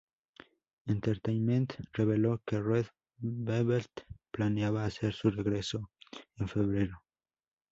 Entertainment reveló que Red Velvet planeaba hacer su regreso en febrero.